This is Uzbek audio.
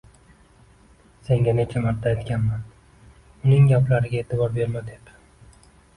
Senga necha marta aytganman, uning gaplariga e`tibor berma, deb